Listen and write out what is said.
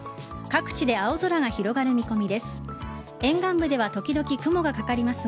各地で青空が広がる見込みです。